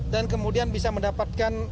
dan kemudian bisa mendapatkan